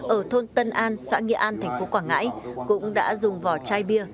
ở thôn tân an xã nghĩa an tp quảng ngãi cũng đã dùng vỏ chai bia